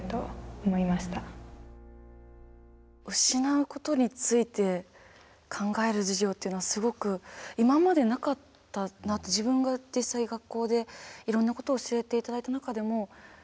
失うことについて考える授業っていうのはすごく今までなかったなって自分が実際学校でいろんなことを教えて頂いた中でも。